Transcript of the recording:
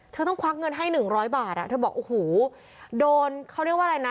เธอต้องควักเงินให้หนึ่งร้อยบาทอ่ะเธอบอกโอ้โหโดนเขาเรียกว่าอะไรนะ